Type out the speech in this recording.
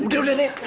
udah udah nek